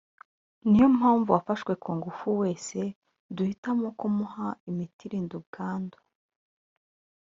niyo mpamvu uwafashwe ku ngufu wese duhitamo kumuha imiti irinda ubwandu